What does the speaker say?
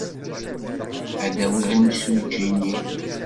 Ad d-awiɣ imsujji-nni.